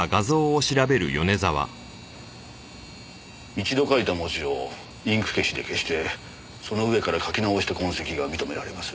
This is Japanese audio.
一度書いた文字をインク消しで消してその上から書き直した痕跡が認められます。